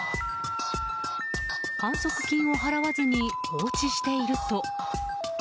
反則金を払わずに放置していると。